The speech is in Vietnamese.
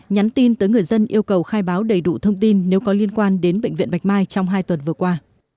nhắn tin tới người dân yêu cầu khai báo đầy đủ thông tin nếu có liên quan đến bệnh viện bạch mai trong hai tuần vừa qua